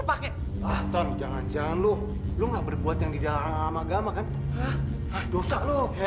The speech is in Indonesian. pakai jangan jangan lu lu nggak berbuat yang didalam agama agama kan dosa lu